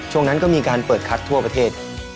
ช่วงนั้นก็มีการเปิดคัดทั่วประเทศ